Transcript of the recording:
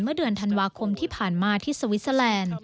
เมื่อเดือนธันวาคมที่ผ่านมาที่สวิสเตอร์แลนด์